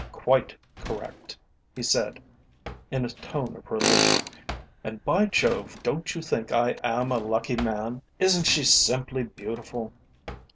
"Quite correct," he said in a tone of relief. "And, by Jove, don't you think I am a lucky man? Isn't she simply beautiful?"